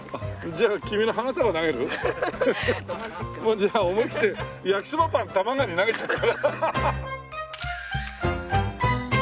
じゃあ思いきって焼きそばパン多摩川に投げちゃったら？